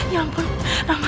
ya ampun karama